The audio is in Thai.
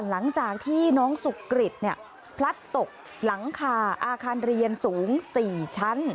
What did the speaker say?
หลังจากที่น้องสุกริตพลัดตกหลังคาอาคารเรียนสูง๔ชั้น